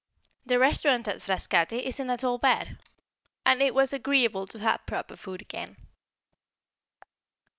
The restaurant at Frascati isn't at all bad, and it was agreeable to have proper food again.